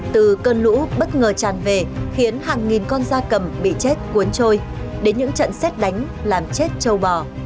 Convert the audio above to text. từ cơn lũ bất ngờ tràn về khiến hàng nghìn con da cầm bị chết cuốn trôi đến những trận xét đánh làm chết châu bò